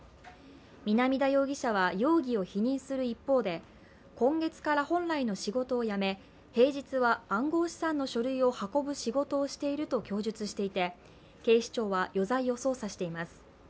南田容疑者は容疑を否認する一方で今月から本来の仕事を辞め平日は暗号資産の書類を運ぶ仕事していると供述していて警視庁は余罪を捜査しています。